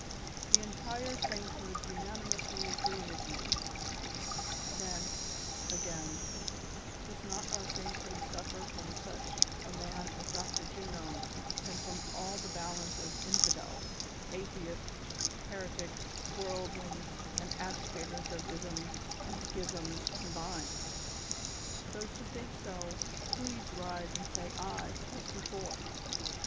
"Tlie entire saintliood unanimously agree with me. Then, again, does not our sainthood suffer more from such THE CONSPIRATORS AND LOVERS. 169 a man as Dr. Juno than from all the balance of infidels, atheists, heretics, Avorldlings and agitators of isms and schisms combined V Those who think so, please rise and say 'I,' as before.